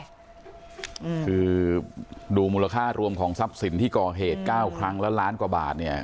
คือดูมูลค่ารวมของทรัพย์สินที่ก่อเหตุ๙ครั้งแล้วล้านกว่าบาทเนี่ย